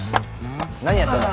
何やってんの？